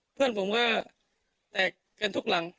เพื่อนผมก็แตกกันทุกหลัง